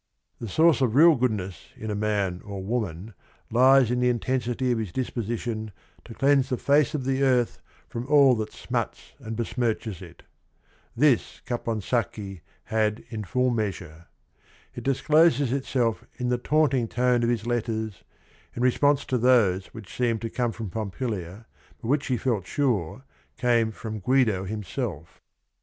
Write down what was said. The source of real goodness in a man or woman lies in the intensity of his disposition to cleanse the face of the earth from all that smuts and be smirches it. This Caponsacchi had in full meas ure. It discloses itself in the taunting tone of his letters, in response to those which seemed to come from Pompilia, but which he felt sure came from Guido himself.